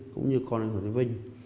cũng như con anh hoàng thế vinh